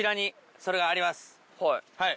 はい。